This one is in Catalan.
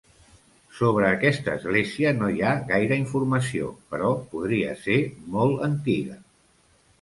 Sobre aquesta església no hi ha gaire informació, però podria ser molt antiga.